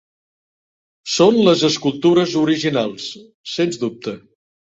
Són les escultures originals, sens dubte.